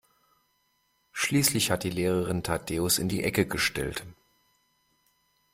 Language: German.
Schließlich hat die Lehrerin Thaddäus in die Ecke gestellt.